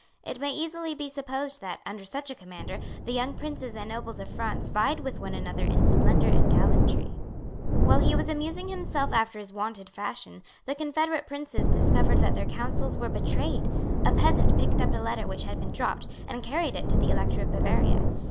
It may easily be supposed that, under such a commander, the young princes and nobles of France vied with one another in splendour and gallantry. While he was amusing himself after his wonted fashion, the confederate princes discovered that their counsels were betrayed. A peasant picked up a letter which had been dropped, and carried it to the Elector of Bavaria.